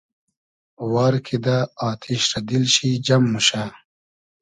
وار کیدۂ آتیش رۂ دیل شی جئم موشۂ